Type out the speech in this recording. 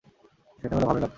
সেটা হলে ভালোই লাগত।